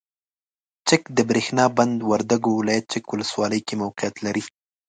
چک دبریښنا بند وردګو ولایت چک ولسوالۍ کې موقعیت لري.